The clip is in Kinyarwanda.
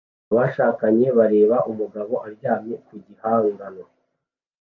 Abashakanye bareba umugabo aryamye ku gihangano